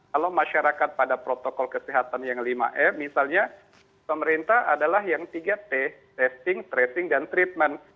kalau masyarakat pada protokol kesehatan yang lima m misalnya pemerintah adalah yang tiga t testing tracing dan treatment